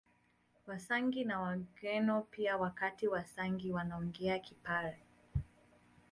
Wasangi na Wagweno pia Wakati Wasangi wanaongea Kipare